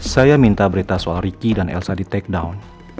saya minta berita soal ricky dan elsa di take down